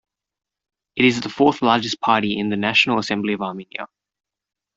It is the fourth largest party in the National Assembly of Armenia.